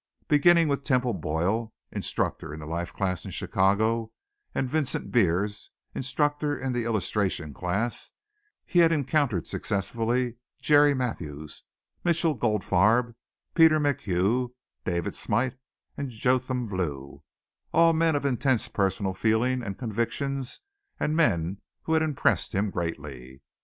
Beginning with Temple Boyle, instructor in the life class in Chicago, and Vincent Beers, instructor in the illustration class, he had encountered successively Jerry Mathews, Mitchell Goldfarb, Peter McHugh, David Smite and Jotham Blue, all men of intense personal feeling and convictions and men who had impressed him greatly.